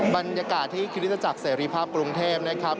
บรรยากาศที่คริสตจักรเสรีภาพกรุงเทพนะครับ